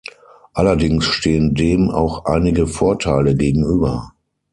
Allerdings stehen dem auch einige Vorteile gegenüber.